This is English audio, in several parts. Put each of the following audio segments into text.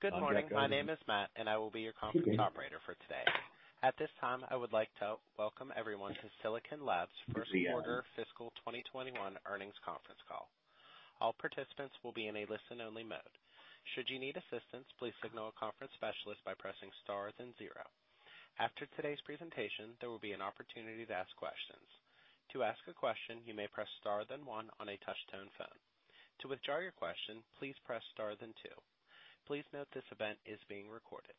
Good morning. My name is Matt, and I will be your conference operator for today. At this time, I would like to welcome everyone to Silicon Labs' first quarter fiscal 2021 earnings conference call. All participants will be in a listen-only mode. Should you need assistance, please signal a conference specialist by pressing star then zero. After today's presentation, there will be an opportunity to ask questions. To ask a question, you may Press Star than one on a touch-tone phone. To withdraw your question, please press star than two. Please note this event is being recorded.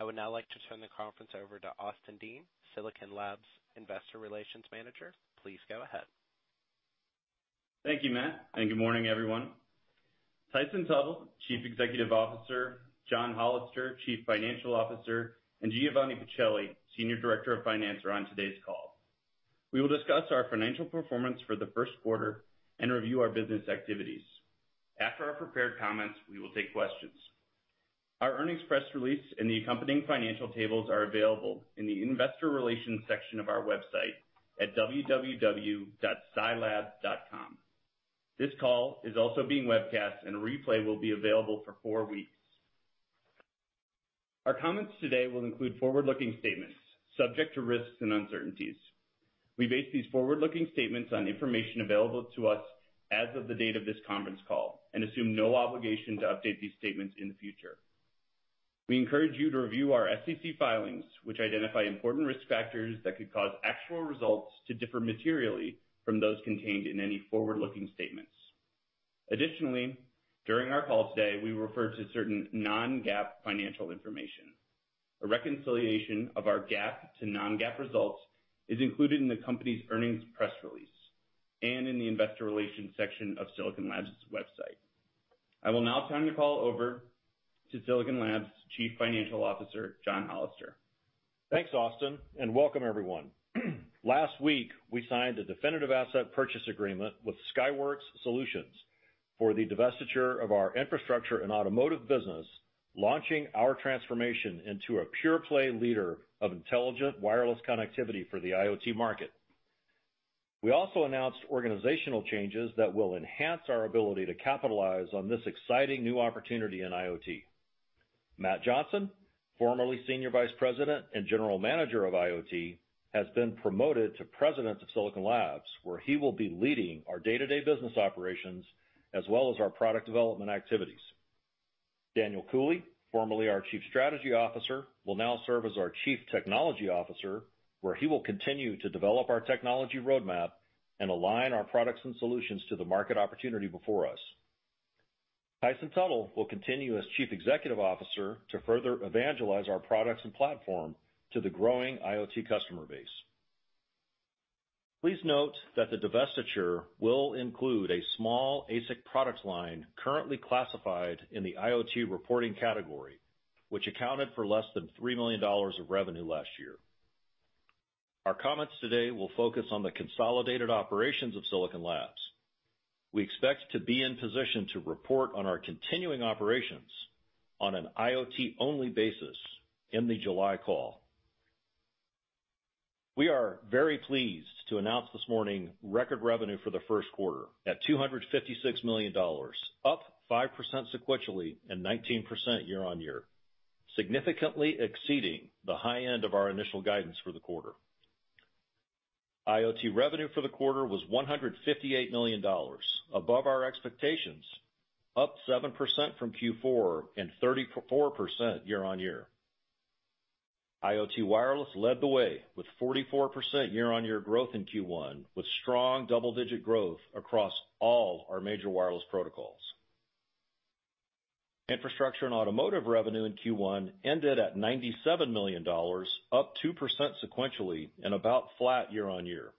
I would now like to turn the conference over to Austin Dean, Silicon Labs' Investor Relations Manager. Please go ahead. Thank you, Matt, and good morning, everyone. Tyson Tuttle, Chief Executive Officer, John Hollister, Chief Financial Officer, and Giovanni Pacelli, Senior Director of Finance, are on today's call. We will discuss our financial performance for the first quarter and review our business activities. After our prepared comments, we will take questions. Our earnings press release and the accompanying financial tables are available in the investor relations section of our website at www.silabs.com. This call is also being webcast and a replay will be available for four weeks. Our comments today will include forward-looking statements subject to risks and uncertainties. We base these forward-looking statements on information available to us as of the date of this conference call and assume no obligation to update these statements in the future. We encourage you to review our SEC filings, which identify important risk factors that could cause actual results to differ materially from those contained in any forward-looking statements. Additionally, during our call today, we will refer to certain non-GAAP financial information. A reconciliation of our GAAP to non-GAAP results is included in the company's earnings press release and in the investor relations section of Silicon Labs' website. I will now turn the call over to Silicon Labs' Chief Financial Officer, John Hollister. Thanks, Austin, and welcome everyone. Last week, we signed a definitive asset purchase agreement with Skyworks Solutions for the divestiture of our infrastructure and automotive business, launching our transformation into a pure-play leader of intelligent wireless connectivity for the IoT market. We also announced organizational changes that will enhance our ability to capitalize on this exciting new opportunity in IoT. Matt Johnson, formerly Senior Vice President and General Manager of IoT, has been promoted to President of Silicon Labs, where he will be leading our day-to-day business operations as well as our product development activities. Daniel Cooley, formerly our Chief Strategy Officer, will now serve as our Chief Technology Officer, where he will continue to develop our technology roadmap and align our products and solutions to the market opportunity before us. Tyson Tuttle will continue as Chief Executive Officer to further evangelize our products and platform to the growing IoT customer base. Please note that the divestiture will include a small ASIC product line currently classified in the IoT reporting category, which accounted for less than $3 million of revenue last year. Our comments today will focus on the consolidated operations of Silicon Labs. We expect to be in position to report on our continuing operations on an IoT-only basis in the July call. We are very pleased to announce this morning record revenue for the first quarter at $256 million, up 5% sequentially and 19% year-on-year, significantly exceeding the high end of our initial guidance for the quarter. IoT revenue for the quarter was $158 million, above our expectations, up 7% from Q4 and 34% year-on-year. IoT wireless led the way with 44% year-on-year growth in Q1, with strong double-digit growth across all our major wireless protocols. Infrastructure and automotive revenue in Q1 ended at $97 million, up 2% sequentially and about flat year-on-year.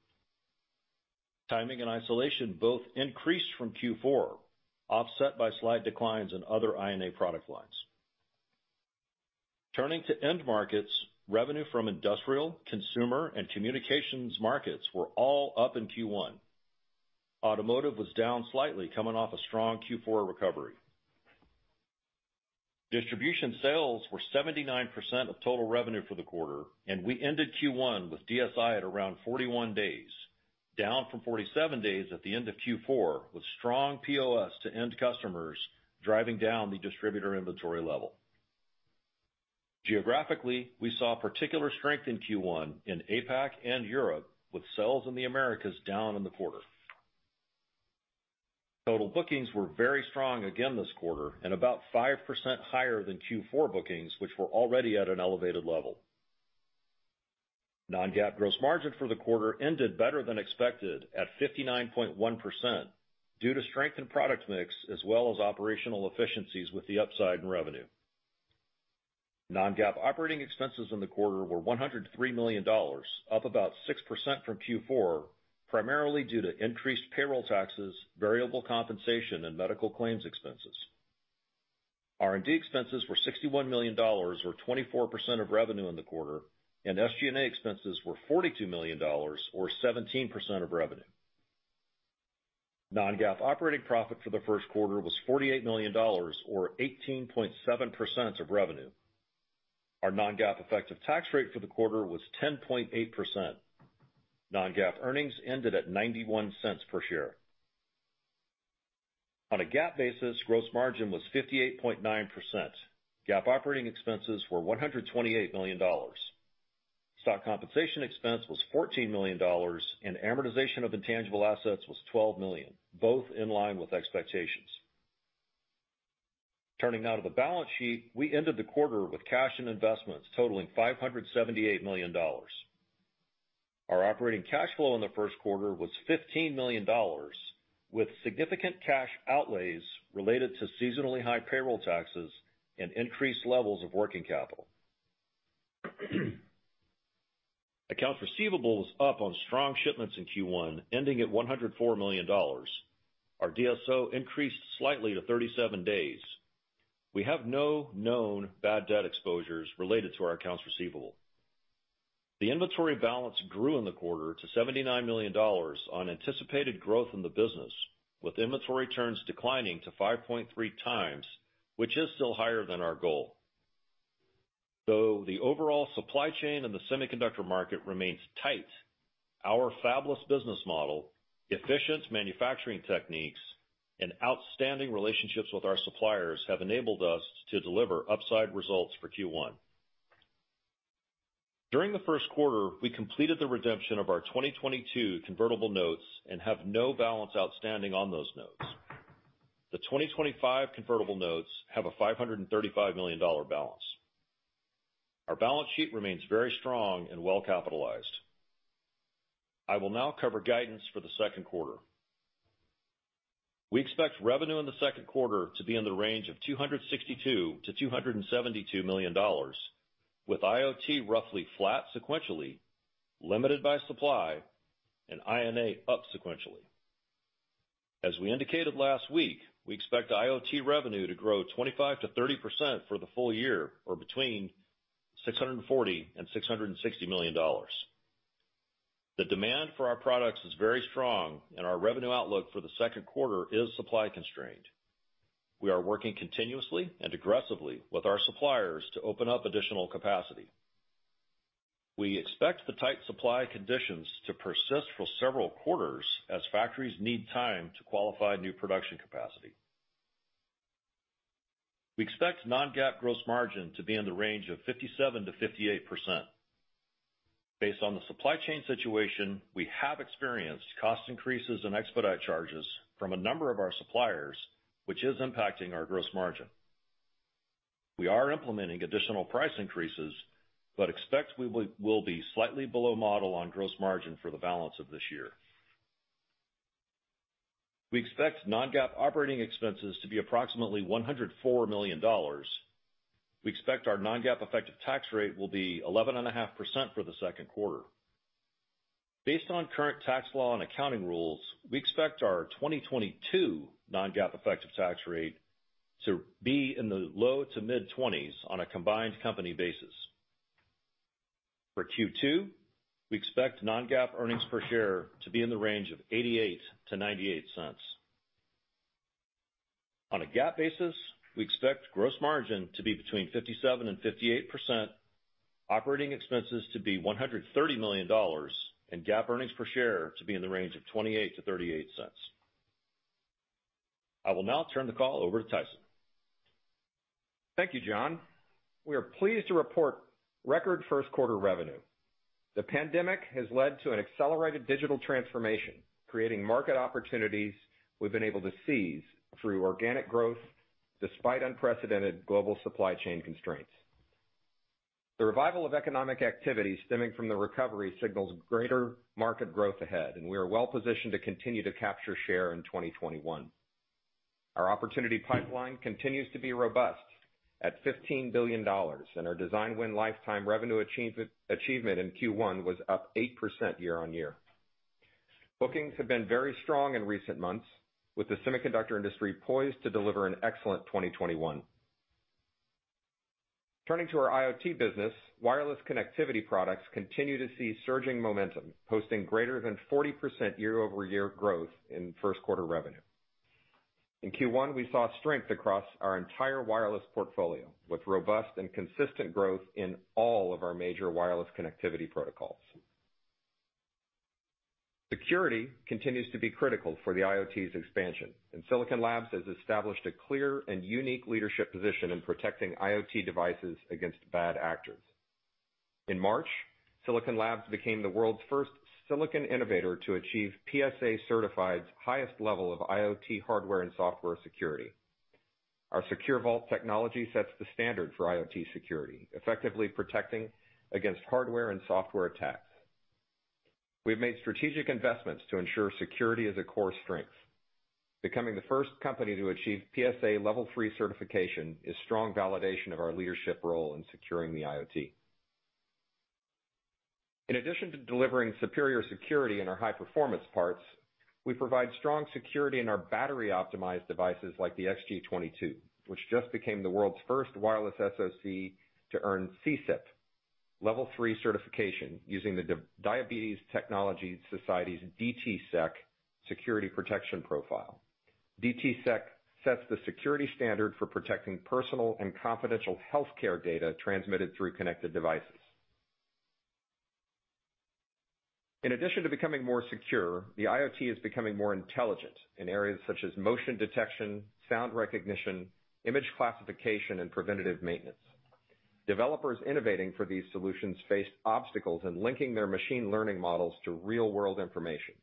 Timing and isolation both increased from Q4, offset by slight declines in other I&A product lines. Turning to end markets, revenue from industrial, consumer, and communications markets were all up in Q1. Automotive was down slightly coming off a strong Q4 recovery. Distribution sales were 79% of total revenue for the quarter, and we ended Q1 with DSI at around 41 days, down from 47 days at the end of Q4, with strong POS to end customers driving down the distributor inventory level. Geographically, we saw particular strength in Q1 in APAC and Europe, with sales in the Americas down in the quarter. Total bookings were very strong again this quarter and about 5% higher than Q4 bookings, which were already at an elevated level. Non-GAAP gross margin for the quarter ended better than expected at 59.1% due to strength in product mix as well as operational efficiencies with the upside in revenue. Non-GAAP operating expenses in the quarter were $103 million, up about 6% from Q4, primarily due to increased payroll taxes, variable compensation, and medical claims expenses. R&D expenses were $61 million, or 24% of revenue in the quarter, and SG&A expenses were $42 million, or 17% of revenue. Non-GAAP operating profit for the first quarter was $48 million, or 18.7% of revenue. Our non-GAAP effective tax rate for the quarter was 10.8%. Non-GAAP earnings ended at $0.91 per share. On a GAAP basis, gross margin was 58.9%. GAAP operating expenses were $128 million. Stock compensation expense was $14 million, and amortization of intangible assets was $12 million, both in line with expectations. Turning now to the balance sheet. We ended the quarter with cash and investments totaling $578 million. Our operating cash flow in the first quarter was $15 million, with significant cash outlays related to seasonally high payroll taxes and increased levels of working capital. Accounts receivable was up on strong shipments in Q1, ending at $104 million. Our DSO increased slightly to 37 days. We have no known bad debt exposures related to our accounts receivable. The inventory balance grew in the quarter to $79 million on anticipated growth in the business, with inventory turns declining to 5.3x, which is still higher than our goal. Though the overall supply chain in the semiconductor market remains tight, our fabless business model, efficient manufacturing techniques, and outstanding relationships with our suppliers have enabled us to deliver upside results for Q1. During the first quarter, we completed the redemption of our 2022 convertible notes and have no balance outstanding on those notes. The 2025 convertible notes have a $535 million balance. Our balance sheet remains very strong and well-capitalized. I will now cover guidance for the second quarter. We expect revenue in the second quarter to be in the range of $262 million-$272 million, with IoT roughly flat sequentially, limited by supply, and INA up sequentially. As we indicated last week, we expect IoT revenue to grow 25%-30% for the full year, or between $640 million and $660 million. The demand for our products is very strong and our revenue outlook for the second quarter is supply constrained. We are working continuously and aggressively with our suppliers to open up additional capacity. We expect the tight supply conditions to persist for several quarters as factories need time to qualify new production capacity. We expect non-GAAP gross margin to be in the range of 57%-58%. Based on the supply chain situation, we have experienced cost increases and expedite charges from a number of our suppliers, which is impacting our gross margin. We are implementing additional price increases, but expect we will be slightly below model on gross margin for the balance of this year. We expect non-GAAP operating expenses to be approximately $104 million. We expect our non-GAAP effective tax rate will be 11.5% for the second quarter. Based on current tax law and accounting rules, we expect our 2022 non-GAAP effective tax rate to be in the low to mid-20s on a combined company basis. For Q2, we expect non-GAAP earnings per share to be in the range of $0.88-$0.98. On a GAAP basis, we expect gross margin to be between 57% and 58%, operating expenses to be $130 million, and GAAP earnings per share to be in the range of $0.28-$0.38. I will now turn the call over to Tyson. Thank you, John. We are pleased to report record first quarter revenue. The pandemic has led to an accelerated digital transformation, creating market opportunities we've been able to seize through organic growth, despite unprecedented global supply chain constraints. The revival of economic activity stemming from the recovery signals greater market growth ahead, and we are well positioned to continue to capture share in 2021. Our opportunity pipeline continues to be robust at $15 billion, and our design win lifetime revenue achievement in Q1 was up 8% year-on-year. Bookings have been very strong in recent months, with the semiconductor industry poised to deliver an excellent 2021. Turning to our IoT business, wireless connectivity products continue to see surging momentum, posting greater than 40% year-over-year growth in first quarter revenue. In Q1, we saw strength across our entire wireless portfolio, with robust and consistent growth in all of our major wireless connectivity protocols. Security continues to be critical for the IoT's expansion, and Silicon Labs has established a clear and unique leadership position in protecting IoT devices against bad actors. In March, Silicon Labs became the world's first silicon innovator to achieve PSA Certified's highest level of IoT hardware and software security. Our Secure Vault technology sets the standard for IoT security, effectively protecting against hardware and software attacks. We've made strategic investments to ensure security is a core strength. Becoming the first company to achieve PSA Level 3 certification is strong validation of our leadership role in securing the IoT. In addition to delivering superior security in our high-performance parts, we provide strong security in our battery-optimized devices like the xG22, which just became the world's first wireless SoC to earn SESIP Level 3 certification using the Diabetes Technology Society's DTSec security protection profile. DTSec sets the security standard for protecting personal and confidential healthcare data transmitted through connected devices. In addition to becoming more secure, the IoT is becoming more intelligent in areas such as motion detection, sound recognition, image classification, and preventative maintenance. Developers innovating for these solutions faced obstacles in linking their machine learning models to real-world information.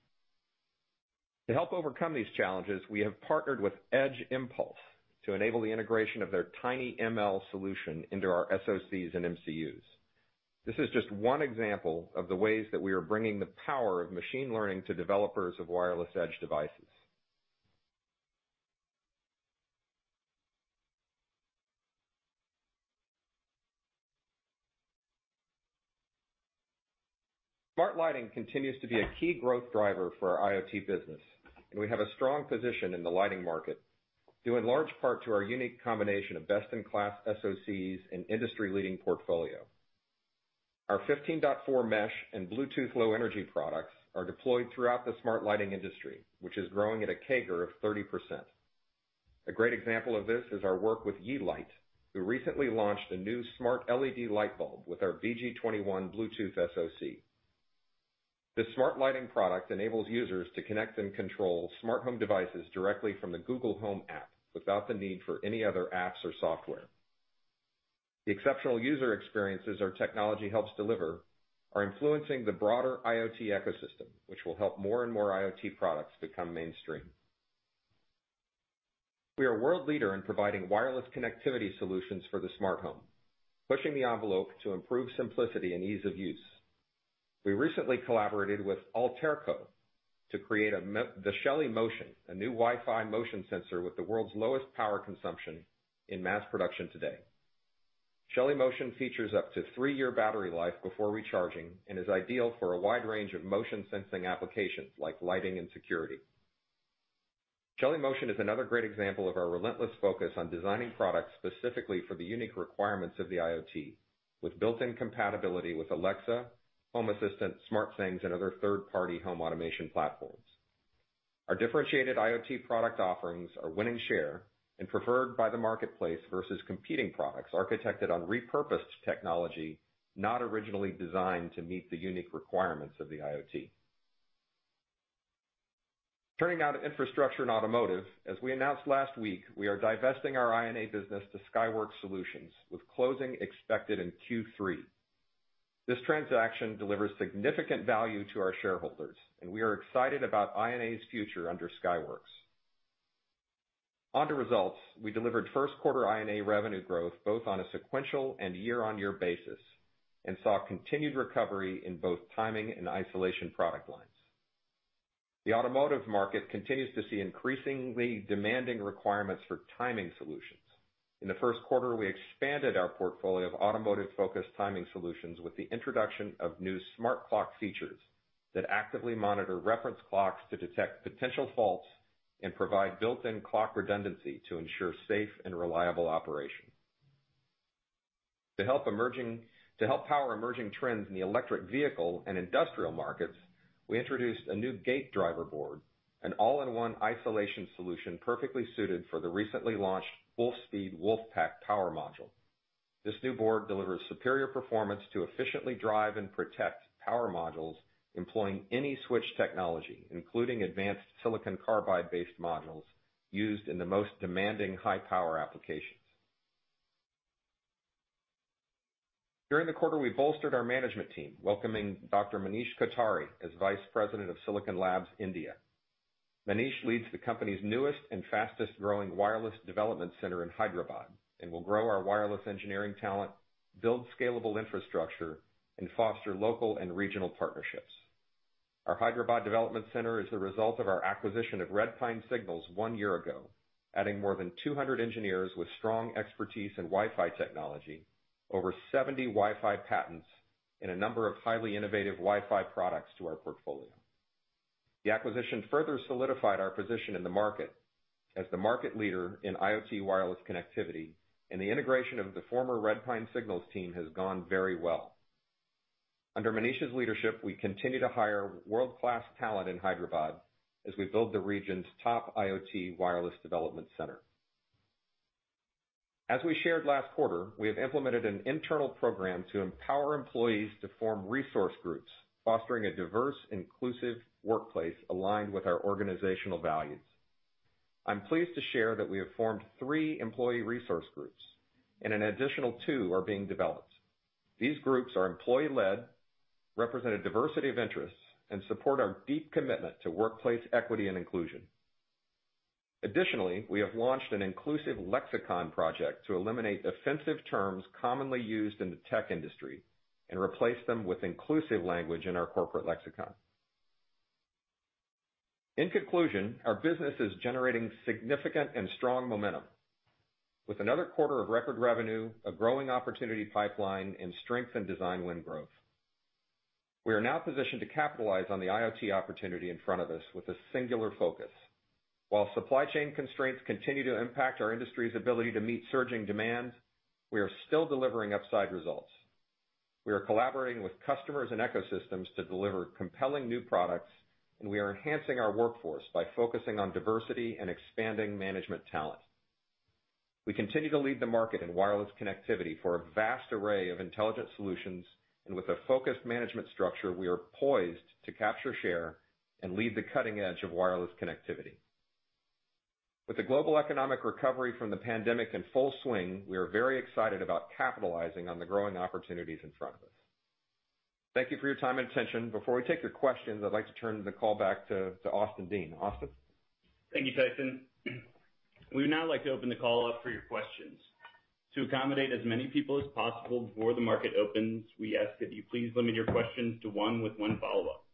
To help overcome these challenges, we have partnered with Edge Impulse to enable the integration of their TinyML solution into our SoCs and MCUs. This is just one example of the ways that we are bringing the power of machine learning to developers of wireless edge devices. Smart lighting continues to be a key growth driver for our IoT business, and we have a strong position in the lighting market, due in large part to our unique combination of best-in-class SoCs and industry-leading portfolio. Our 15.4 mesh and Bluetooth Low Energy products are deployed throughout the smart lighting industry, which is growing at a CAGR of 30%. A great example of this is our work with Yeelight, who recently launched a new smart LED light bulb with our BG21 Bluetooth SoC. This smart lighting product enables users to connect and control smart home devices directly from the Google Home app without the need for any other apps or software. The exceptional user experiences our technology helps deliver are influencing the broader IoT ecosystem, which will help more and more IoT products become mainstream. We are a world leader in providing wireless connectivity solutions for the smart home, pushing the envelope to improve simplicity and ease of use. We recently collaborated with Allterco to create the Shelly Motion, a new Wi-Fi motion sensor with the world's lowest power consumption in mass production today. Shelly Motion features up to three year battery life before recharging and is ideal for a wide range of motion-sensing applications like lighting and security. Shelly Motion is another great example of our relentless focus on designing products specifically for the unique requirements of the IoT, with built-in compatibility with Alexa, Home Assistant, SmartThings, and other third-party home automation platforms. Our differentiated IoT product offerings are winning share and preferred by the marketplace versus competing products architected on repurposed technology, not originally designed to meet the unique requirements of the IoT. Turning now to infrastructure and automotive. As we announced last week, we are divesting our INA business to Skyworks Solutions, with closing expected in Q3. This transaction delivers significant value to our shareholders, and we are excited about INA's future under Skyworks. On to results. We delivered first quarter INA revenue growth both on a sequential and year-on-year basis and saw continued recovery in both timing and isolation product lines. The automotive market continues to see increasingly demanding requirements for timing solutions. In the first quarter, we expanded our portfolio of automotive-focused timing solutions with the introduction of new smart clock features that actively monitor reference clocks to detect potential faults and provide built-in clock redundancy to ensure safe and reliable operation. To help power emerging trends in the electric vehicle and industrial markets, we introduced a new gate driver board, an all-in-one isolation solution perfectly suited for the recently launched full speed WolfPACK power module. This new board delivers superior performance to efficiently drive and protect power modules employing any switch technology, including advanced silicon carbide-based modules used in the most demanding high-power applications. During the quarter, we bolstered our management team, welcoming Dr. Manish Kothari as Vice President of Silicon Labs India. Manish leads the company's newest and fastest-growing wireless development center in Hyderabad and will grow our wireless engineering talent, build scalable infrastructure, and foster local and regional partnerships. Our Hyderabad development center is the result of our acquisition of Redpine Signals one year ago, adding more than 200 engineers with strong expertise in Wi-Fi technology, over 70 Wi-Fi patents, and a number of highly innovative Wi-Fi products to our portfolio. The acquisition further solidified our position in the market as the market leader in IoT wireless connectivity, and the integration of the former Redpine Signals team has gone very well. Under Manish's leadership, we continue to hire world-class talent in Hyderabad as we build the region's top IoT wireless development center. As we shared last quarter, we have implemented an internal program to empower employees to form resource groups, fostering a diverse, inclusive workplace aligned with our organizational values. I'm pleased to share that we have formed three employee resource groups, and an additional two are being developed. These groups are employee-led, represent a diversity of interests, and support our deep commitment to workplace equity and inclusion. Additionally, we have launched an inclusive lexicon project to eliminate offensive terms commonly used in the tech industry and replace them with inclusive language in our corporate lexicon. In conclusion, our business is generating significant and strong momentum with another quarter of record revenue, a growing opportunity pipeline, and strength in design win growth. We are now positioned to capitalize on the IoT opportunity in front of us with a singular focus. While supply chain constraints continue to impact our industry's ability to meet surging demands, we are still delivering upside results. We are collaborating with customers and ecosystems to deliver compelling new products, and we are enhancing our workforce by focusing on diversity and expanding management talent. We continue to lead the market in wireless connectivity for a vast array of intelligent solutions, and with a focused management structure, we are poised to capture, share, and lead the cutting edge of wireless connectivity. With the global economic recovery from the pandemic in full swing, we are very excited about capitalizing on the growing opportunities in front of us. Thank you for your time and attention. Before we take your questions, I'd like to turn the call back to Austin Dean. Austin? Thank you, Tyson. We would now like to open the call up for your questions. To accommodate as many people as possible before the market opens, we ask that you please limit your questions to one with one follow-up.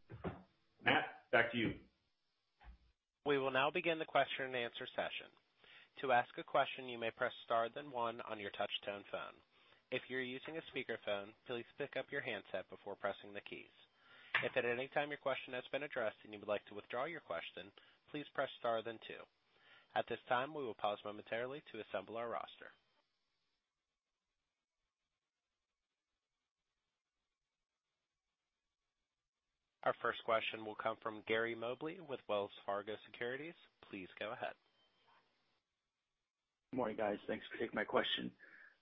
Matt, back to you. We will now begin the question and answer session. To ask a question you may Press Star then one on your touch-tone sound, if your are using speakerphone, please pick up your handset before pressing the key. If anytime the question has been answered you would like to withdraw your question please Press Star then two. Our first question will come from Gary Mobley with Wells Fargo Securities. Please go ahead. Morning, guys. Thanks for taking my question.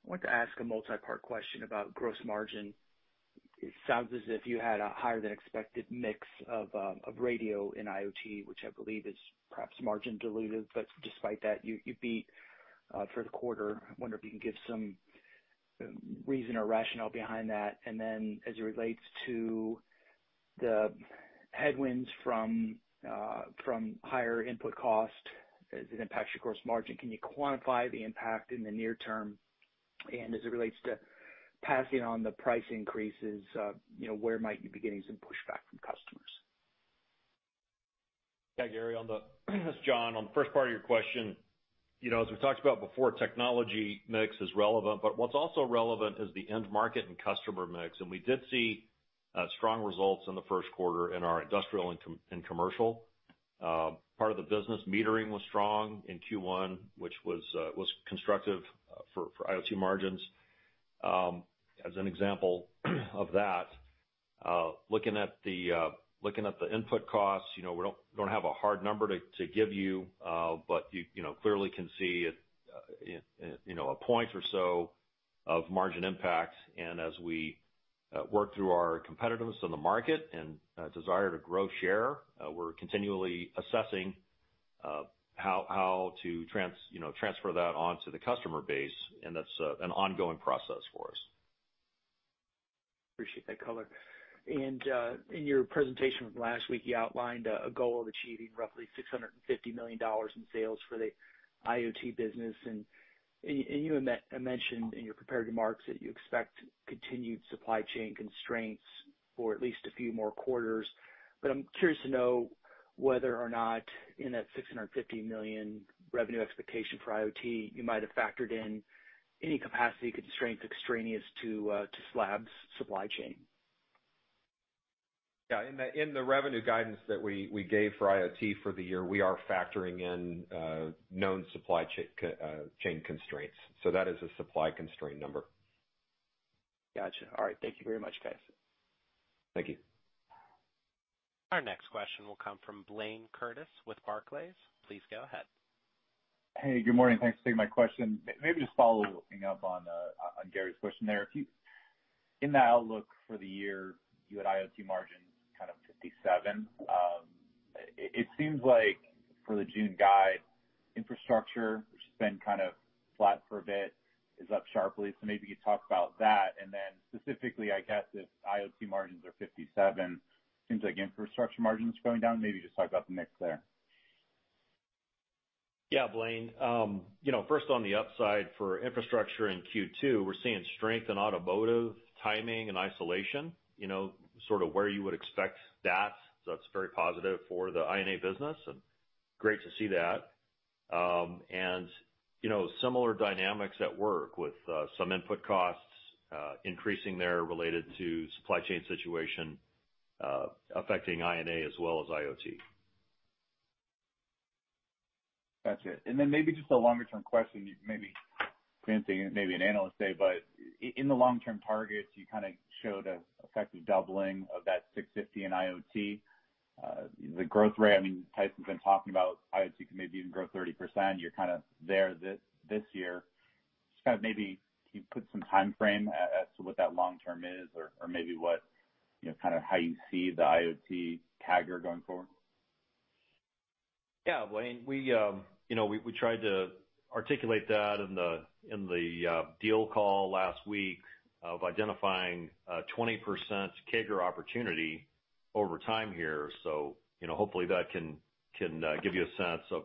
I wanted to ask a multi-part question about gross margin. It sounds as if you had a higher than expected mix of radio in IoT, which I believe is perhaps margin diluted. Despite that, you beat for the quarter. I wonder if you can give some reason or rationale behind that. Then as it relates to the headwinds from higher input cost, as it impacts your gross margin, can you quantify the impact in the near term? As it relates to passing on the price increases, where might you be getting some pushback from customers? Yeah, Gary, this is John. On the first part of your question, as we've talked about before, technology mix is relevant, but what's also relevant is the end market and customer mix, and we did see strong results in the first quarter in our industrial and commercial part of the business. Metering was strong in Q1, which was constructive for IoT margins. As an example of that, looking at the input costs, we don't have a hard number to give you, but you clearly can see a point or so of margin impact. As we work through our competitiveness in the market and desire to grow share, we're continually assessing how to transfer that onto the customer base, and that's an ongoing process for us. Appreciate that color. In your presentation from last week, you outlined a goal of achieving roughly $650 million in sales for the IoT business. You had mentioned in your prepared remarks that you expect continued supply chain constraints for at least a few more quarters. I'm curious to know whether or not in that $650 million revenue expectation for IoT, you might have factored in any capacity constraints extraneous to SLAB's supply chain. Yeah. In the revenue guidance that we gave for IoT for the year, we are factoring in known supply chain constraints. That is a supply constraint number. Got you. All right. Thank you very much, guys. Thank you. Our next question will come from Blayne Curtis with Barclays. Please go ahead. Hey, good morning. Thanks for taking my question. Maybe just following up on Gary's question there. In the outlook for the year, you had IoT margins 57%. It seems like for the June guide, infrastructure, which has been flat for a bit, is up sharply. Maybe you could talk about that, and then specifically, I guess if IoT margins are 57%, seems like infrastructure margins going down. Maybe just talk about the mix there. Yeah, Blayne. First, on the upside for infrastructure in Q2, we're seeing strength in automotive timing and isolation, sort of where you would expect that. That's very positive for the INA business and great to see that. Similar dynamics at work with some input costs increasing there related to supply chain situation affecting INA as well as IoT. Got you. Maybe just a longer-term question. Maybe fancy, maybe an analyst day. In the long-term targets, you showed an effective doubling of that $650 in IoT. The growth rate, Tyson's been talking about IoT could maybe even grow 30%. You're kind of there this year. Just maybe can you put some timeframe as to what that long-term is or maybe how you see the IoT CAGR going forward? Yeah, Blayne. We tried to articulate that in the deal call last week of identifying a 20% CAGR opportunity over time here. Hopefully that can give you a sense of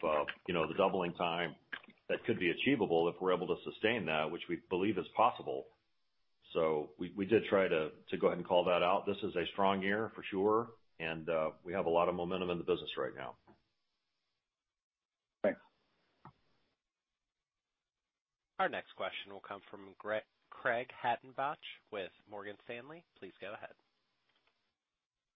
the doubling time that could be achievable if we're able to sustain that, which we believe is possible. We did try to go ahead and call that out. This is a strong year for sure, and we have a lot of momentum in the business right now. Thanks. Our next question will come from Craig Hettenbach with Morgan Stanley. Please go ahead.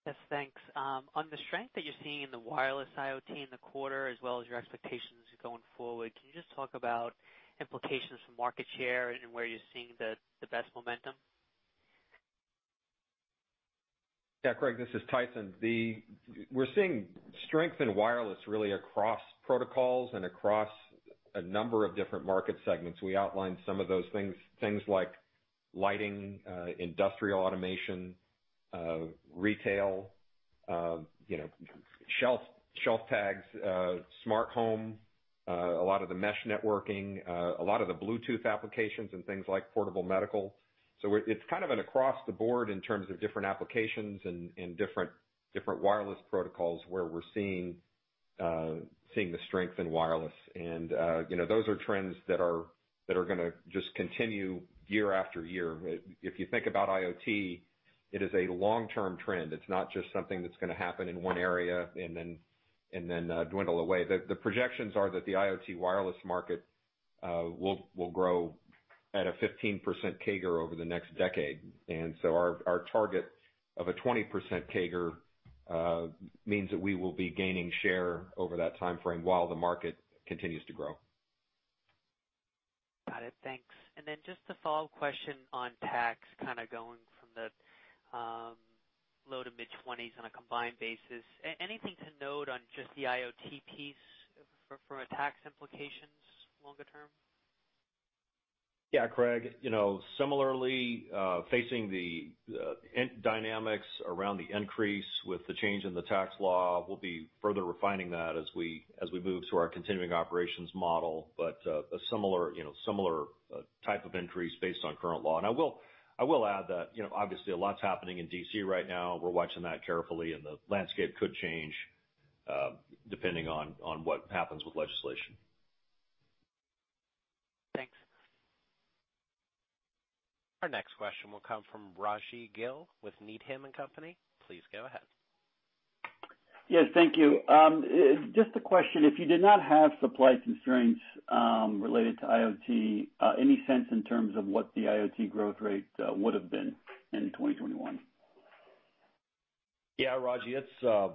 Yes, thanks. On the strength that you're seeing in the wireless IoT in the quarter as well as your expectations going forward, can you just talk about implications for market share and where you're seeing the best momentum? Yeah, Craig, this is Tyson. We're seeing strength in wireless really across protocols and across a number of different market segments. We outlined some of those things. Things like lighting, industrial automation, retail, shelf tags, smart home, a lot of the mesh networking, a lot of the Bluetooth applications and things like portable medical. It's kind of an across the board in terms of different applications and different wireless protocols where we're seeing the strength in wireless. Those are trends that are going to just continue year after year. If you think about IoT, it is a long-term trend. It's not just something that's going to happen in one area and then dwindle away. The projections are that the IoT wireless market will grow at a 15% CAGR over the next decade. Our target of a 20% CAGR means that we will be gaining share over that timeframe while the market continues to grow. Got it. Thanks. Just a follow-up question on tax, kind of going from the low to mid-20s on a combined basis. Anything to note on just the IoT piece from a tax implications longer term? Yeah, Craig. Similarly, facing the dynamics around the increase with the change in the tax law, we'll be further refining that as we move to our continuing operations model, but a similar type of increase based on current law. I will add that obviously a lot's happening in D.C. right now. We're watching that carefully, and the landscape could change depending on what happens with legislation. Thanks. Our next question will come from Raji Gill with Needham & Company. Please go ahead. Yes, thank you. Just a question. If you did not have supply constraints related to IoT, any sense in terms of what the IoT growth rate would've been in 2021? Yeah, Raji. We're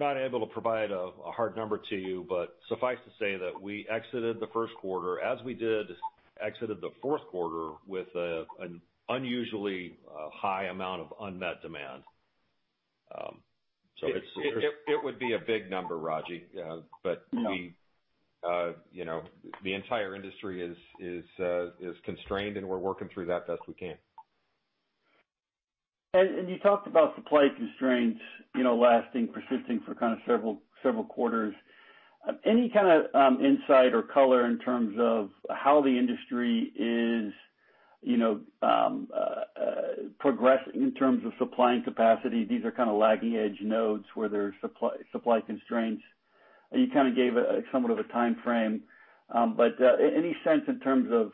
not able to provide a hard number to you, but suffice to say that we exited the first quarter as we did exited the fourth quarter with an unusually high amount of unmet demand. It would be a big number, Raji. Yeah. The entire industry is constrained, and we're working through that best we can. You talked about supply constraints persisting for kind of several quarters. Any kind of insight or color in terms of how the industry is progressing in terms of supplying capacity? These are kind of lagging edge nodes where there's supply constraints, and you kind of gave somewhat of a timeframe. Any sense in terms of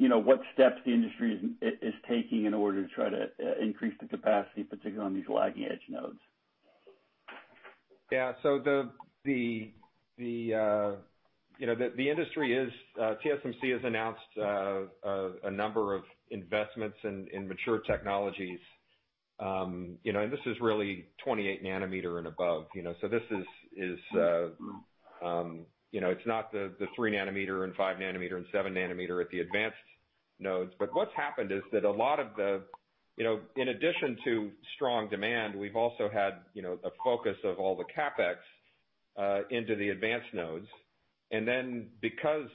what steps the industry is taking in order to try to increase the capacity, particularly on these lagging edge nodes? Yeah. TSMC has announced a number of investments in mature technologies. This is really 28 nanometer and above. It's not the three nanometer and five nanometer and seven nanometer at the advanced nodes. What's happened is that in addition to strong demand, we've also had a focus of all the CapEx into the advanced nodes. Because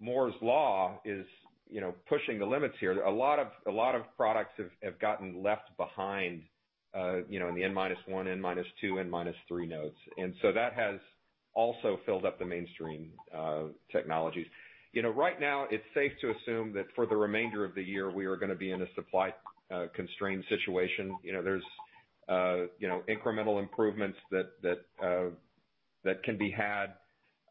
Moore's Law is pushing the limits here, a lot of products have gotten left behind in the N-1, N-2, N-3 nodes. That has also filled up the mainstream technologies. Right now it's safe to assume that for the remainder of the year, we are going to be in a supply-constrained situation. There's incremental improvements that can be had,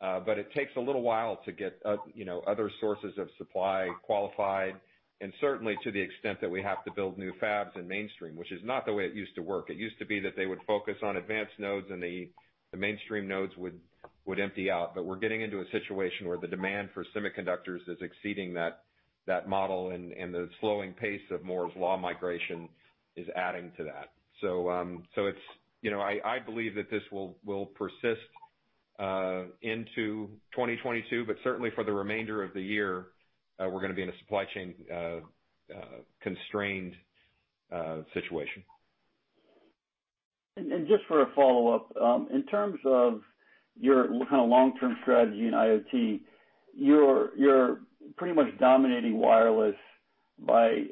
but it takes a little while to get other sources of supply qualified and certainly to the extent that we have to build new fabs in mainstream, which is not the way it used to work. It used to be that they would focus on advanced nodes, and the mainstream nodes would empty out. We're getting into a situation where the demand for semiconductors is exceeding that model, and the slowing pace of Moore's Law migration is adding to that. I believe that this will persist into 2022, but certainly for the remainder of the year, we're going to be in a supply chain constrained situation. Just for a follow-up. In terms of your kind of long-term strategy in IoT, you're pretty much dominating wireless by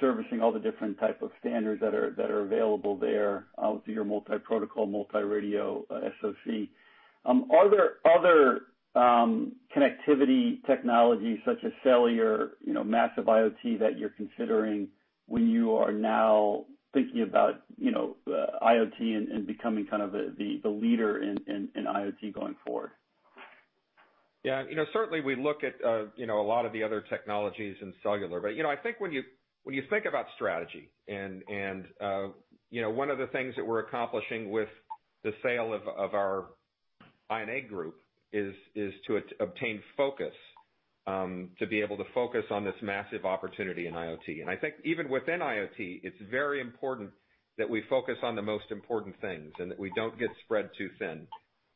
servicing all the different type of standards that are available there with your multi-protocol, multi-radio SoC. Are there other connectivity technologies such as cellular, massive IoT that you're considering when you are now thinking about IoT and becoming kind of the leader in IoT going forward? Yeah. Certainly we look at a lot of the other technologies in cellular. I think when you think about strategy and one of the things that we're accomplishing with the sale of our INA group is to obtain focus, to be able to focus on this massive opportunity in IoT. I think even within IoT, it's very important that we focus on the most important things and that we don't get spread too thin.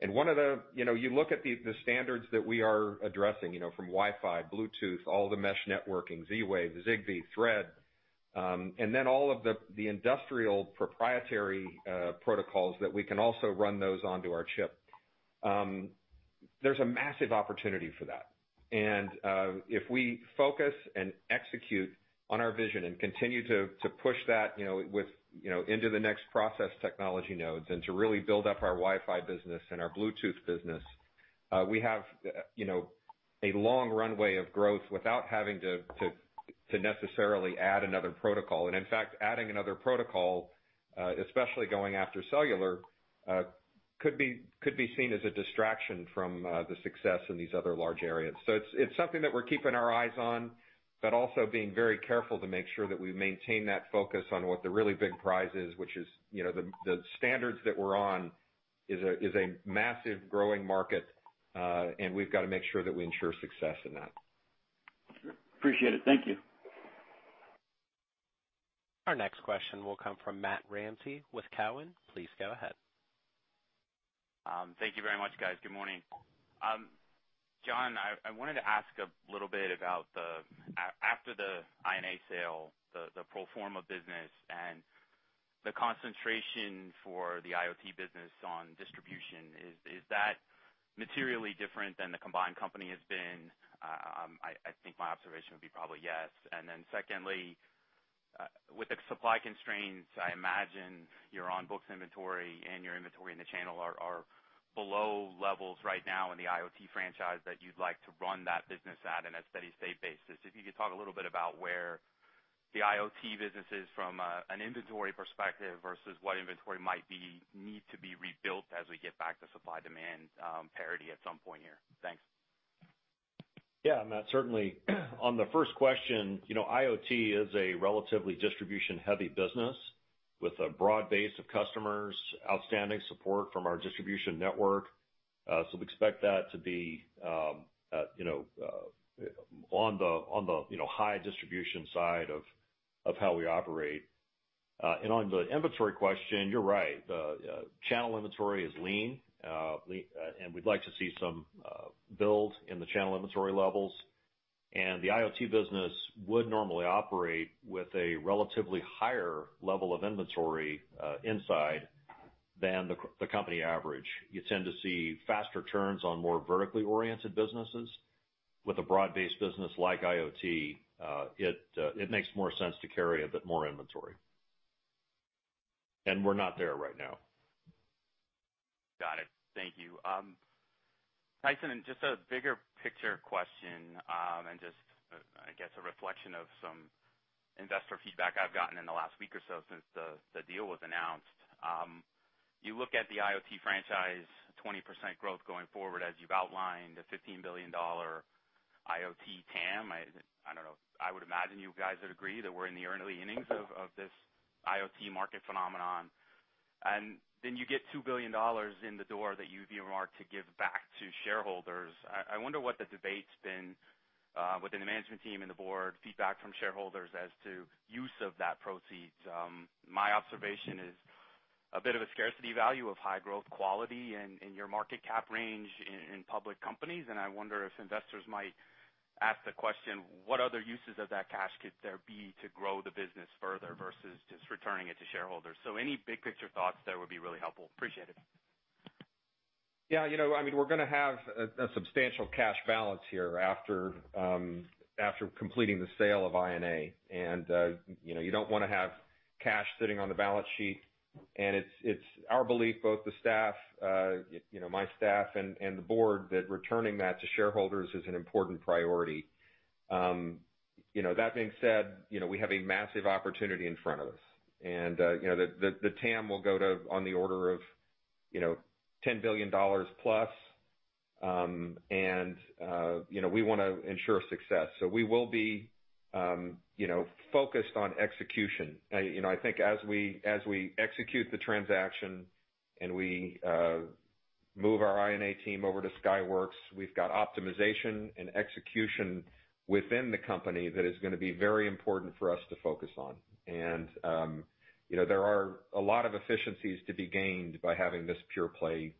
You look at the standards that we are addressing, from Wi-Fi, Bluetooth, all the mesh networking, Z-Wave, Zigbee, Thread, and then all of the industrial proprietary protocols that we can also run those onto our chip. There's a massive opportunity for that. If we focus and execute on our vision and continue to push that into the next process technology nodes and to really build up our Wi-Fi business and our Bluetooth business, we have a long runway of growth without having to necessarily add another protocol. In fact, adding another protocol, especially going after cellular, could be seen as a distraction from the success in these other large areas. It's something that we're keeping our eyes on, but also being very careful to make sure that we maintain that focus on what the really big prize is, which is the standards that we're on is a massive growing market, and we've got to make sure that we ensure success in that. Appreciate it. Thank you. Our next question will come from Matt Ramsay with Cowen. Please go ahead. Thank you very much, guys. Good morning. John, I wanted to ask a little bit about after the INA sale, the pro forma business, and the concentration for the IoT business on distribution, is that materially different than the combined company has been? I think my observation would be probably yes. Secondly, with the supply constraints, I imagine your on-books inventory and your inventory in the channel are below levels right now in the IoT franchise that you'd like to run that business at on a steady state basis. If you could talk a little bit about where the IoT business is from an inventory perspective versus what inventory might need to be rebuilt as we get back to supply-demand parity at some point here. Thanks. Yeah, Matt, certainly. On the first question, IoT is a relatively distribution-heavy business with a broad base of customers, outstanding support from our distribution network. We expect that to be on the high distribution side of how we operate. On the inventory question, you're right. The channel inventory is lean, and we'd like to see some build in the channel inventory levels. The IoT business would normally operate with a relatively higher level of inventory inside than the company average. You tend to see faster turns on more vertically oriented businesses. With a broad-based business like IoT, it makes more sense to carry a bit more inventory. We're not there right now. Got it. Thank you. Tyson, just a bigger picture question, and just, I guess, a reflection of some investor feedback I've gotten in the last week or so since the deal was announced. You look at the IoT franchise, 20% growth going forward as you've outlined, a $15 billion IoT TAM. I don't know, I would imagine you guys would agree that we're in the early innings of this IoT market phenomenon. You get $2 billion in the door that you've earmarked to give back to shareholders. I wonder what the debate's been within the management team and the board, feedback from shareholders as to use of that proceeds. My observation is a bit of a scarcity value of high-growth quality in your market cap range in public companies, and I wonder if investors might ask the question, what other uses of that cash could there be to grow the business further versus just returning it to shareholders? Any big-picture thoughts there would be really helpful. Appreciate it. Yeah. We're going to have a substantial cash balance here after completing the sale of INA, you don't want to have cash sitting on the balance sheet. It's our belief, both the staff, my staff, and the board, that returning that to shareholders is an important priority. That being said, we have a massive opportunity in front of us. The TAM will go to on the order of $10 billion plus, we want to ensure success. We will be focused on execution. I think as we execute the transaction and we move our INA team over to Skyworks, we've got optimization and execution within the company that is going to be very important for us to focus on. There are a lot of efficiencies to be gained by having this pure-play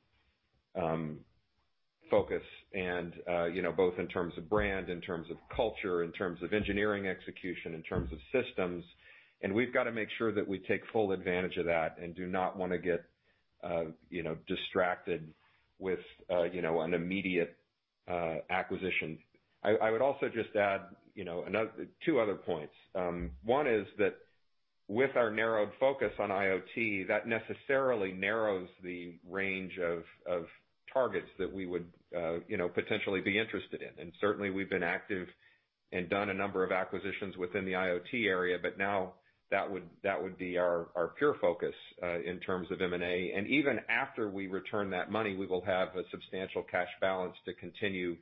focus both in terms of brand, in terms of culture, in terms of engineering execution, in terms of systems. We've got to make sure that we take full advantage of that and do not want to get distracted with an immediate acquisition. I would also just add two other points. One is that with our narrowed focus on IoT, that necessarily narrows the range of targets that we would potentially be interested in. Certainly, we've been active and done a number of acquisitions within the IoT area, but now that would be our pure focus in terms of M&A. Even after we return that money, we will have a substantial cash balance to continue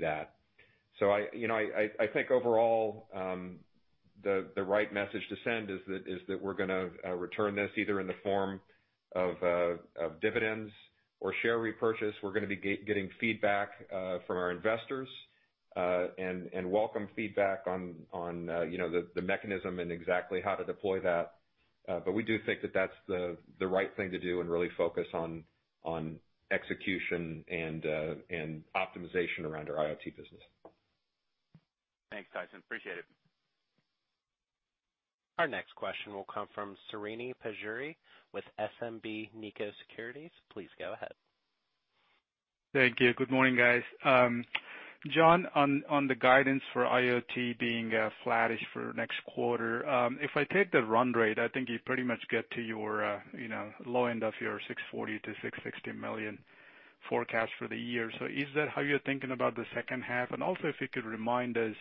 that. I think overall, the right message to send is that we're going to return this either in the form of dividends or share repurchase. We're going to be getting feedback from our investors, and welcome feedback on the mechanism and exactly how to deploy that. We do think that that's the right thing to do and really focus on execution and optimization around our IoT business. Thanks, Tyson. Appreciate it. Our next question will come from Srini Pajjuri with SMBC Nikko Securities. Please go ahead. Thank you. Good morning, guys. John, on the guidance for IoT being flattish for next quarter, if I take the run rate, I think you pretty much get to your low end of your $640 million-$660 million forecast for the year. Is that how you're thinking about the second half? Also, if you could remind us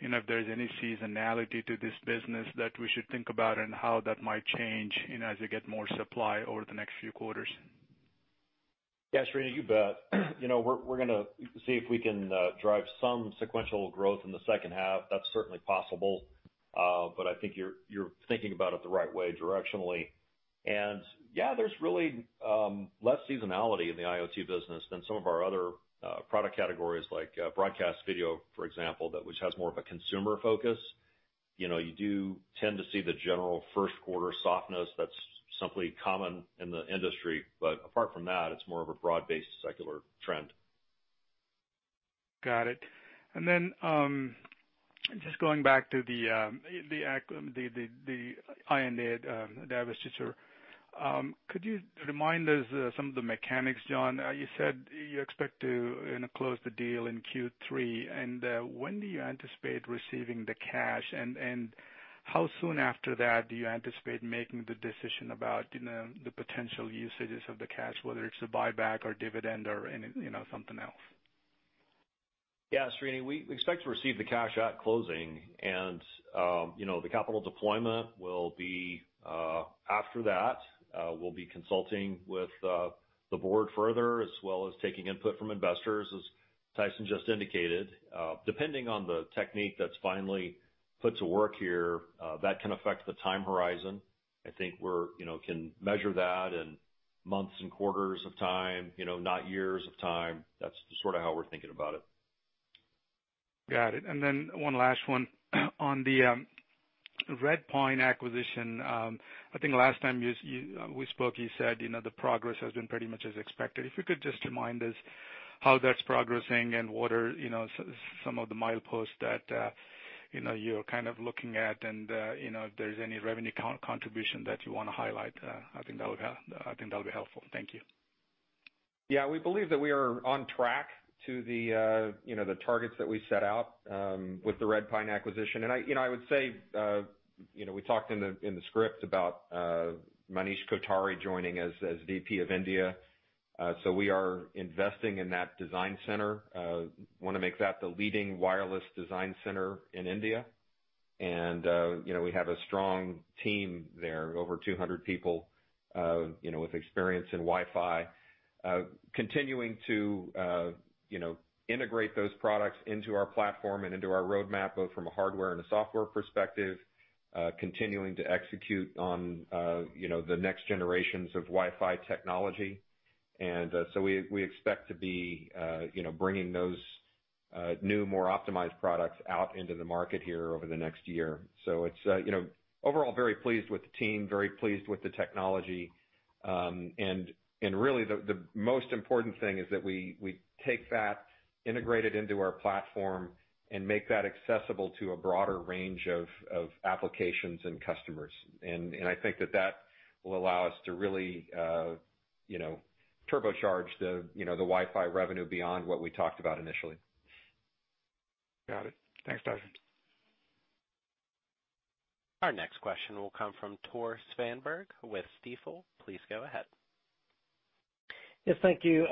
if there's any seasonality to this business that we should think about and how that might change as you get more supply over the next few quarters. Yeah, Srini, you bet. We're going to see if we can drive some sequential growth in the H2. That's certainly possible. I think you're thinking about it the right way directionally. Yeah, there's really less seasonality in the IoT business than some of our other product categories like broadcast video, for example, which has more of a consumer focus. You do tend to see the general first quarter softness that's simply common in the industry. Apart from that, it's more of a broad-based secular trend. Got it. Just going back to the INA divestiture. Could you remind us some of the mechanics, John? You said you expect to close the deal in Q3. When do you anticipate receiving the cash, and how soon after that do you anticipate making the decision about the potential usages of the cash, whether it's a buyback or dividend or something else? Yeah, Srini. We expect to receive the cash at closing and the capital deployment will be after that. We'll be consulting with the board further as well as taking input from investors, as Tyson just indicated. Depending on the technique that's finally put to work here, that can affect the time horizon. I think we can measure that in months and quarters of time, not years of time. That's sort of how we're thinking about it. Got it. Then one last one. On the Redpine acquisition. I think last time we spoke, you said the progress has been pretty much as expected. If you could just remind us how that's progressing and what are some of the mileposts that you're kind of looking at and if there's any revenue contribution that you want to highlight, I think that would be helpful. Thank you. Yeah, we believe that we are on track to the targets that we set out with the Redpine acquisition. I would say we talked in the script about Manish Kothari joining as VP of India. We are investing in that design center. We want to make that the leading wireless design center in India. We have a strong team there, over 200 people, with experience in Wi-Fi. Continuing to integrate those products into our platform and into our roadmap, both from a hardware and a software perspective. Continuing to execute on the next generations of Wi-Fi technology. We expect to be bringing those new, more optimized products out into the market here over the next year. Overall, very pleased with the team, very pleased with the technology. Really the most important thing is that we take that, integrate it into our platform, and make that accessible to a broader range of applications and customers. I think that that will allow us to really turbocharge the Wi-Fi revenue beyond what we talked about initially. Got it. Thanks, for Tyson. Our next question will come from Tore Svanberg with Stifel. Please go ahead. Yes, thank you.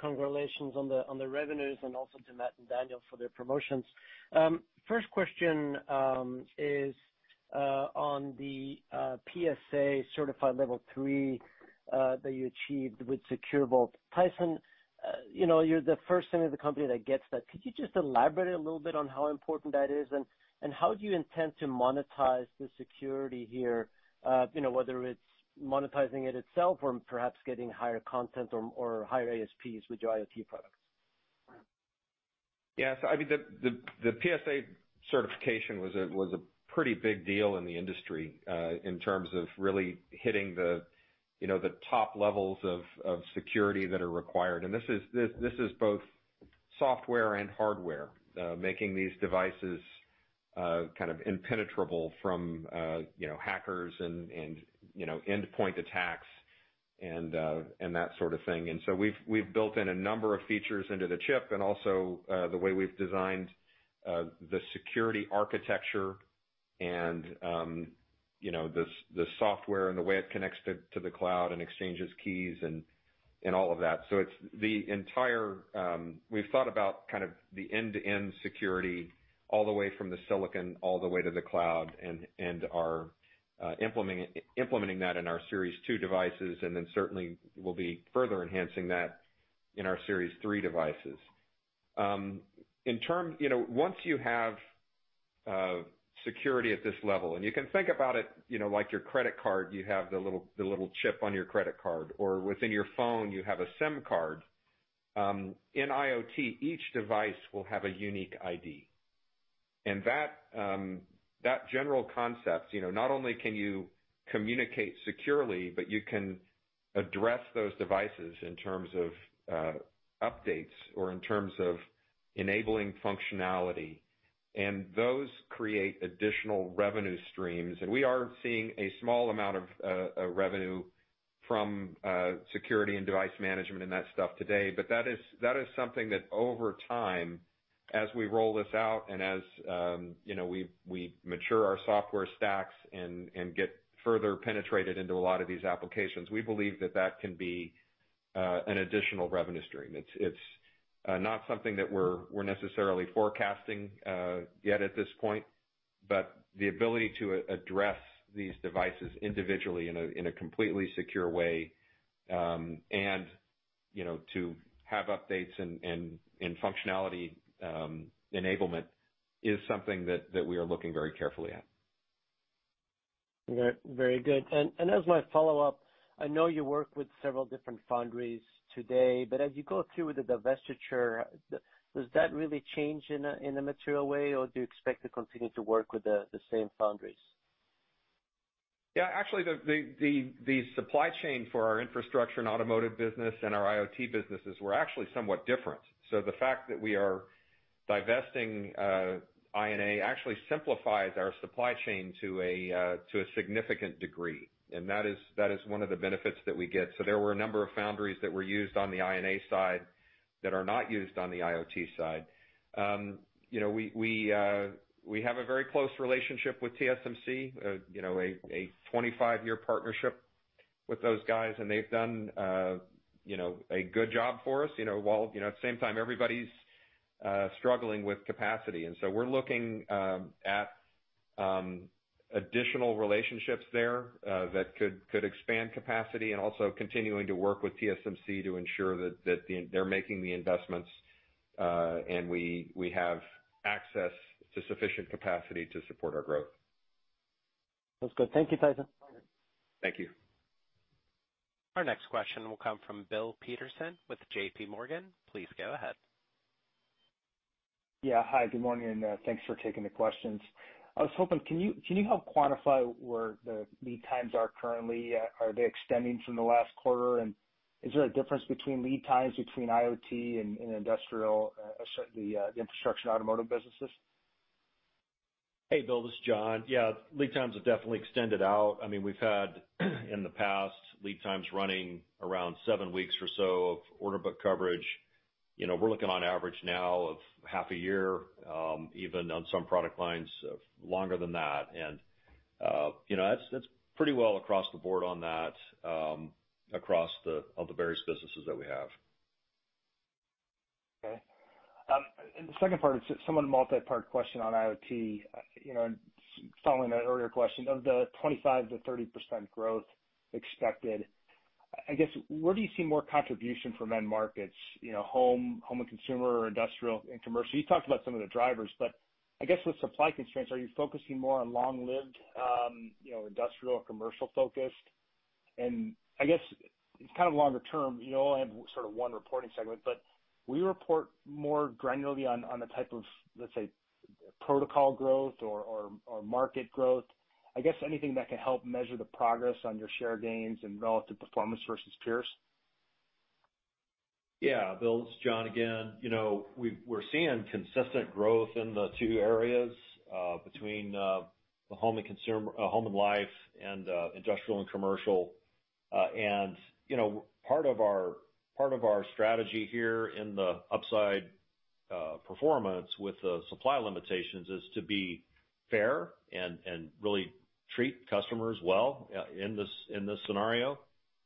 Congratulations on the revenues and also to Matt and Daniel Cooley for their promotions. First question is on the PSA Certified Level 3 that you achieved with Secure Vault. Tyson Tuttle, you're the first thing in the company that gets that. Could you just elaborate a little bit on how important that is and how do you intend to monetize the security here? Whether it's monetizing it itself or perhaps getting higher content or higher ASPs with your IoT products. I think the PSA Certified was a pretty big deal in the industry, in terms of really hitting the top levels of security that are required. This is both software and hardware, making these devices kind of impenetrable from hackers and endpoint attacks and that sort of thing. We've built in a number of features into the chip and also, the way we've designed the security architecture and the software and the way it connects to the cloud and exchanges keys and all of that. We've thought about kind of the end-to-end security all the way from the silicon all the way to the cloud and are implementing that in our Series 2 and then certainly will be further enhancing that in our Series 3. Of security at this level. You can think about it like your credit card, you have the little chip on your credit card or within your phone, you have a SIM card. In IoT, each device will have a unique ID. That general concept, not only can you communicate securely, but you can address those devices in terms of updates or in terms of enabling functionality. Those create additional revenue streams. We are seeing a small amount of revenue from security and device management and that stuff today. That is something that over time, as we roll this out and as we mature our software stacks and get further penetrated into a lot of these applications, we believe that that can be an additional revenue stream. It's not something that we're necessarily forecasting yet at this point. The ability to address these devices individually in a completely secure way, and to have updates and functionality enablement is something that we are looking very carefully at. Very good. As my follow-up, I know you work with several different foundries today, but as you go through with the divestiture, does that really change in a material way, or do you expect to continue to work with the same foundries? Yeah. Actually, the supply chain for our infrastructure and automotive business and our IoT businesses were actually somewhat different. The fact that we are divesting INA actually simplifies our supply chain to a significant degree. That is one of the benefits that we get. There were a number of foundries that were used on the INA side that are not used on the IoT side. We have a very close relationship with TSMC, a 25-year partnership with those guys, and they've done a good job for us. While at the same time, everybody's struggling with capacity. We're looking at additional relationships there that could expand capacity and also continuing to work with TSMC to ensure that they're making the investments, and we have access to sufficient capacity to support our growth. That's good. Thank you, Tyson. Thank you. Our next question will come from Bill Peterson with JP Morgan. Please go ahead. Yeah. Hi, good morning, and thanks for taking the questions. I was hoping, can you help quantify where the lead times are currently? Are they extending from the last quarter? Is there a difference between lead times between IoT and industrial, the infrastructure and automotive businesses? Hey, Bill, this is John. Yeah, lead times have definitely extended out. We've had, in the past, lead times running around seven weeks or so of order book coverage. We're looking on average now of half a year, even on some product lines longer than that. That's pretty well across the board on that across all the various businesses that we have. Okay. The second part is somewhat a multi-part question on IoT. Following an earlier question, of the 25%-30% growth expected, I guess, where do you see more contribution from end markets? Home and consumer or industrial and commercial? You talked about some of the drivers, I guess with supply constraints, are you focusing more on long-lived industrial or commercial-focused? I guess it's kind of longer term, you only have sort of one reporting segment, will you report more granularly on the type of, let's say, protocol growth or market growth? I guess anything that can help measure the progress on your share gains and relative performance versus peers. Yeah. Bill, it's John again. We're seeing consistent growth in the two areas between the home and life and industrial and commercial. Part of our strategy here in the upside performance with the supply limitations is to be fair and really treat customers well in this scenario.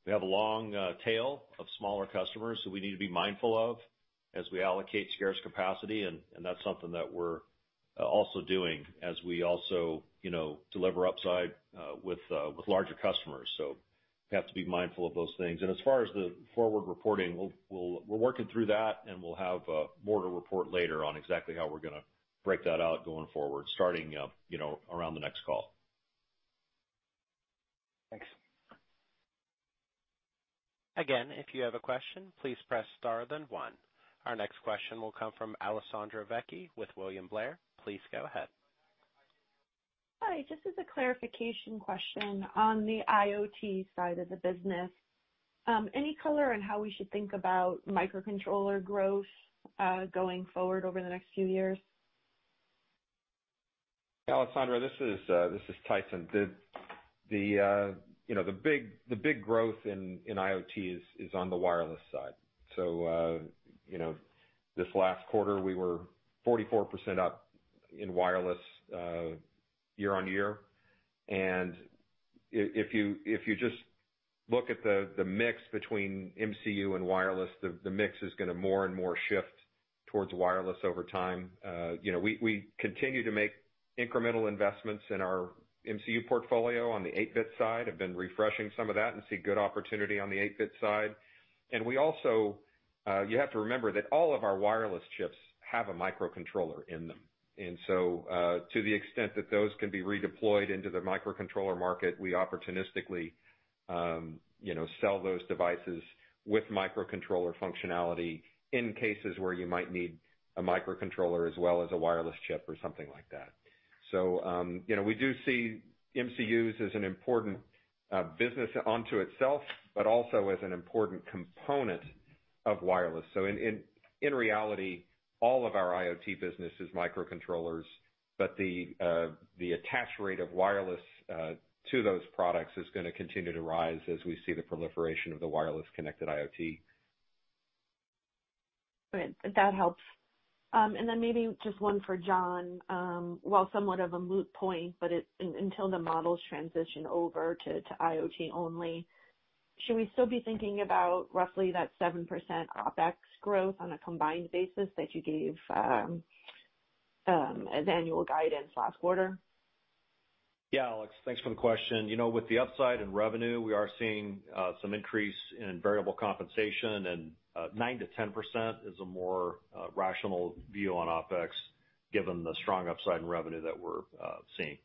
We have a long tail of smaller customers who we need to be mindful of as we allocate scarce capacity, and that's something that we're also doing as we also deliver upside with larger customers. We have to be mindful of those things. As far as the forward reporting, we're working through that, and we'll have more to report later on exactly how we're going to break that out going forward, starting around the next call. Thanks. Again, if you have a question, please Press Star then one. Our next question will come from Alessandra Vecchi with William Blair. Please go ahead. Hi. Just as a clarification question on the IoT side of the business. Any color on how we should think about microcontroller growth going forward over the next few years? Alessandra, this is Tyson. The big growth in IoT is on the wireless side. This last quarter, we were 44% up in wireless year-over-year. If you just look at the mix between MCU and wireless, the mix is going to more and more shift towards wireless over time. We continue to make incremental investments in our MCU portfolio on the 8-bit side, have been refreshing some of that and see good opportunity on the 8-bit side. You have to remember that all of our wireless chips have a microcontroller in them. To the extent that those can be redeployed into the microcontroller market, we opportunistically sell those devices with microcontroller functionality in cases where you might need a microcontroller as well as a wireless chip or something like that. We do see MCUs as an important business onto itself, but also as an important component of wireless. In reality, all of our IoT business is microcontrollers, but the attach rate of wireless to those products is going to continue to rise as we see the proliferation of the wireless connected IoT. Good. That helps. Maybe just one for John. While somewhat of a moot point, but until the models transition over to IoT only, should we still be thinking about roughly that 7% OpEx growth on a combined basis that you gave as annual guidance last quarter? Yeah, Alex, thanks for the question. With the upside in revenue, we are seeing some increase in variable compensation and 9%-10% is a more rational view on OpEx, given the strong upside in revenue that we're seeing.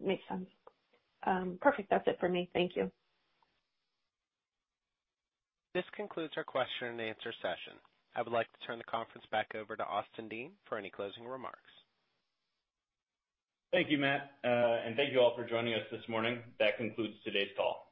Makes sense. Perfect. That's it for me. Thank you. This concludes our question and answer session. I would like to turn the conference back over to Austin Dean for any closing remarks. Thank you, Matt. Thank you all for joining us this morning. That concludes today's call.